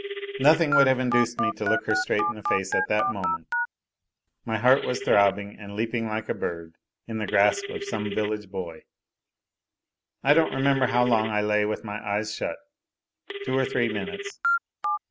Nothing would have induced me to look her straight in the face at that moment. My heart was throbbing and leaping like a bird in the grasp of some village boy. I don't remember how long I lay with my eyes shut, two or three minutes.